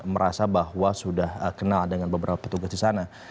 merasa bahwa sudah kenal dengan beberapa petugas di sana